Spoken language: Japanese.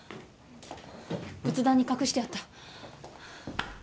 仏壇に隠してあった。